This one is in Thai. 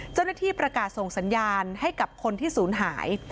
เจ้าหน้าที่ประกาศส่งสัญญาณให้กับคนที่ศูนย์หาย